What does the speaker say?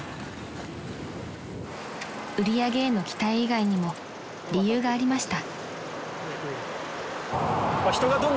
［売り上げへの期待以外にも理由がありました］